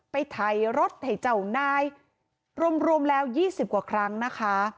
ไถรถให้เจ้านายรวมแล้ว๒๐กว่าครั้งนะคะ